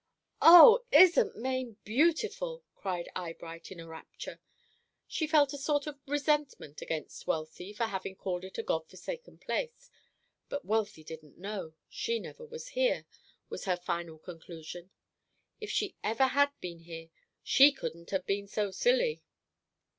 "Oh, isn't Maine beautiful!" cried Eyebright, in a rapture. She felt a sort of resentment against Wealthy for having called it a "God forsaken" place. "But Wealthy didn't know: she never was here," was her final conclusion. "If she ever had been here, she couldn't have been so silly."